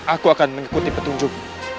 aku akan mengikuti petunjuk